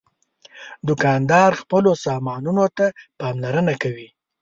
دوکاندار خپلو سامانونو ته پاملرنه کوي.